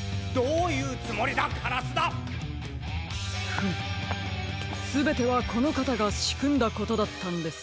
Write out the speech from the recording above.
フムすべてはこのかたがしくんだことだったんですよ。